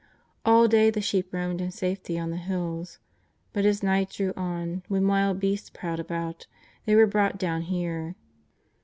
All day the sheep roamed in safety on the hills, but as night drew on, when wild beasts prowled about, they were brought down here.